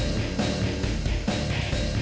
tak aktif pak